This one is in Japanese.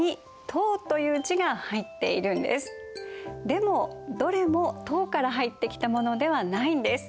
でもどれも唐から入ってきたものではないんです。